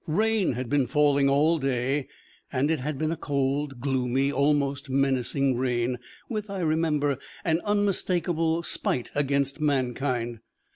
Rain had been falling all day, and it had been a cold, gloomy, almost menacing rain, with, I remember, an unmistakable spite against mankind.